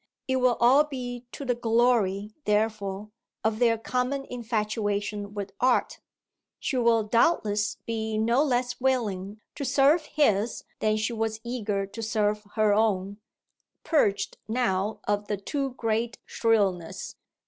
It will all be to the glory, therefore, of their common infatuation with "art": she will doubtless be no less willing to serve his than she was eager to serve her own, purged now of the too great shrillness.